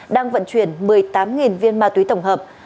đang vận chuyển một mươi tám viên ma túy tổng hợp